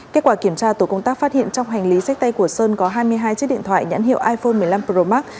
kết quả kiểm tra tổ công tác phát hiện trong hành lý sách tay của sơn có hai mươi hai chiếc điện thoại nhãn hiệu iphone một mươi năm pro max